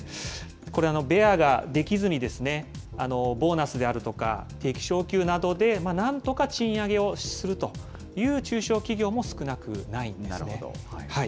これベアができずに、ボーナスであるとか定期昇給などでなんとか賃上げをするという中小企業も少なくないんですね。